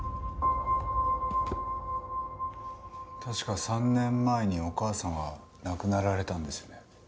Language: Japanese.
確か３年前にお母様亡くなられたんですよね？